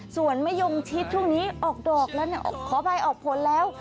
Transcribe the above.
ส่วนมะยงชิดช่วงนี้ออกดอกแล้วเนี่ยขออภัยออกผลแล้ว